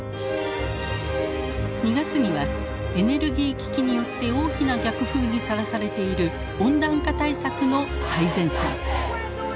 ２月にはエネルギー危機によって大きな逆風にさらされている温暖化対策の最前線。